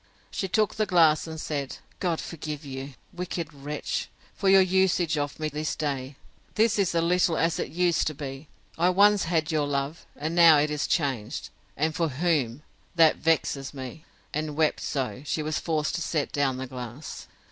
She took the glass, and said, God forgive you, wicked wretch, for your usage of me this day!—This is a little as it used to be!—I once had your love;—and now it is changed; and for whom? that vexes me! And wept so, she was forced to set down the glass.